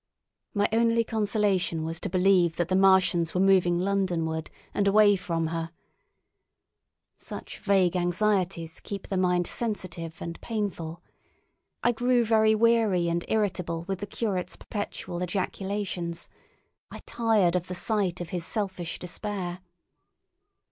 My only consolation was to believe that the Martians were moving Londonward and away from her. Such vague anxieties keep the mind sensitive and painful. I grew very weary and irritable with the curate's perpetual ejaculations; I tired of the sight of his selfish despair.